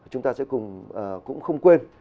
chúng ta sẽ cùng cũng không quên